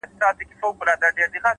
د تجربې درد تل بې ګټې نه وي’